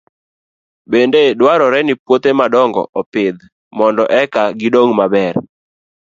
Bende dwarore ni puothe madongo opidh mondo eka gidong maber.